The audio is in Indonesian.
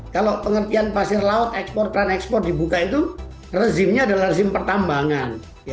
kalau pengertian pasir laut ekspor peran ekspor dibuka itu rezimnya adalah rezim pertambangan